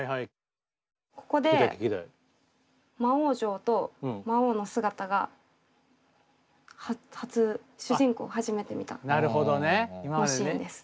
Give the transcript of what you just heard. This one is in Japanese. ここで魔王城と魔王の姿が初主人公初めて見たのシーンです。